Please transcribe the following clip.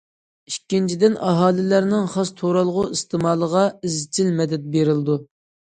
ئىككىنچىدىن، ئاھالىلەرنىڭ خاس تۇرالغۇ ئىستېمالىغا ئىزچىل مەدەت بېرىلىدۇ.